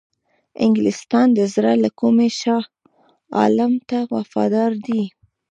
انګلیسیان د زړه له کومي شاه عالم ته وفادار دي.